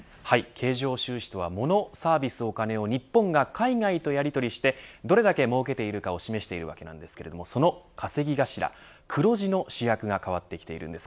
経常収支とはモノ、サービスお金を日本が海外とやりとりしてどれだけもうけているかを示しているわけですがその稼ぎ頭、黒字の主役が変わってきているんです。